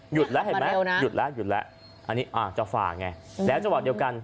แล้วเห็นไหมหยุดแล้วหยุดแล้วอันนี้อาจจะฝ่าไงแล้วจังหวะเดียวกัน